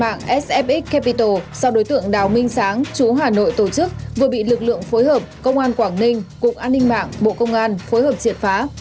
một đường dây hoạt động tổ chức đánh bạc và đánh bạc trên không gian mạng sfx capital do đối tượng đào minh sáng chú hà nội tổ chức vừa bị lực lượng phối hợp công an quảng ninh cục an ninh mạng bộ công an phối hợp triệt phá